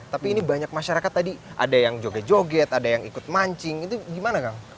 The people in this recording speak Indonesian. tapi ini banyak masyarakat tadi ada yang joget joget ada yang ikut mancing itu gimana kang